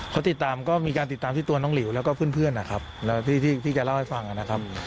เขาติดตามก็มีการติดตามที่ตัวน้องหลิวแล้วก็เพื่อนนะครับแล้วที่จะเล่าให้ฟังนะครับ